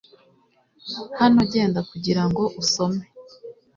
Hano genda kugirango usome